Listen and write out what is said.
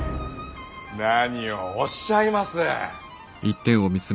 何をおっしゃいます。